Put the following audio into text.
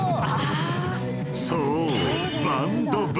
［そう］